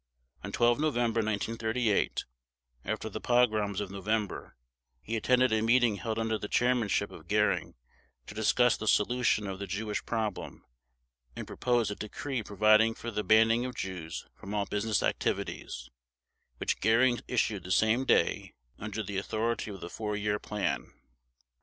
On 12 November 1938 after the pogroms of November, he attended a meeting held under the chairmanship of Göring to discuss the solution of the Jewish problem and proposed a decree providing for the banning of Jews from all business activities, which Göring issued the same day under the authority of the Four Year Plan.